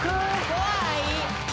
怖い！